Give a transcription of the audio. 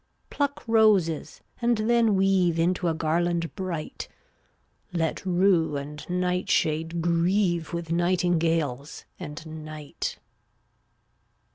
Pluck roses and then weave Into a garland bright; Let rue and nightshade grieve With nightingales and night.